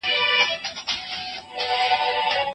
ډيرخيرونه او ګټي شاملي کړي وي.